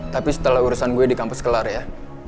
tapi setelah urusan gue di kampus kelar ya